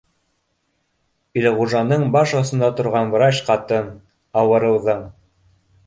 Илғужаның баш осонда торған врач ҡатын, ауырыуҙың